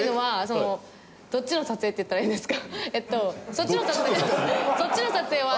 そっちの撮影は。